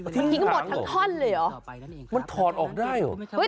มันทิ้งหมดทั้งท่อนเลยเหรอมันถอดออกได้เหรอ